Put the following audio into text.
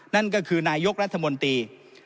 นั่นก็คือนายกรัฐมนตรี